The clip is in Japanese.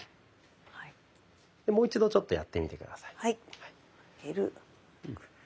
もう一度ちょっとやってみて下さい。